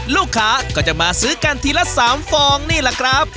ลูกค้าก็จะมาซื้อกันทีละ๓ฟองนี่แหละครับ